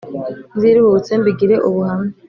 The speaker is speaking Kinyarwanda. nziruhutse mbigire ubuhamya